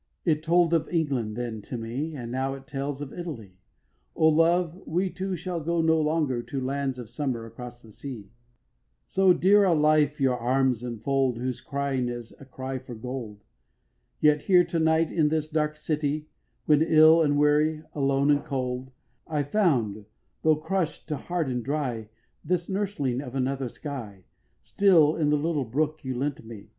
It told of England then to me, And now it tells of Italy. O love, we two shall go no longer To lands of summer across the sea; So dear a life your arms enfold Whose crying is a cry for gold: Yet here to night in this dark city, When ill and weary, alone and cold, I found, tho' crush'd to hard and dry, This nurseling of another sky Still in the little book you lent me.